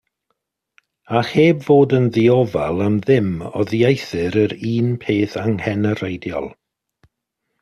A heb fod yn ddiofal am ddim oddieithr yr un peth angenrheidiol.